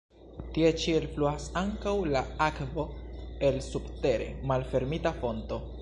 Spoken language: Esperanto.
Tie ĉi elfluas ankaŭ la akvo el subtere malfermita fonto.